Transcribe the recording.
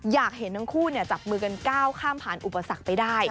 อยากเห็นทั้งคู่จับมือกันก้าวข้ามผ่านอุปสรรคไปได้